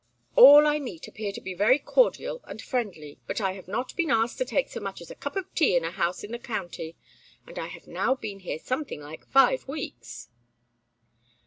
All I meet appear to be very cordial and friendly, but I have not been asked to take so much as a cup of tea in a house in the county, and I have now been here something like five weeks."